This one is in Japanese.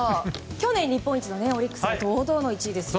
去年１位のオリックス堂々の１位です。